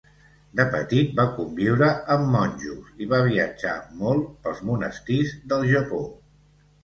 De petit va conviure amb monjos i va viatjar molt pels monestirs del Japó.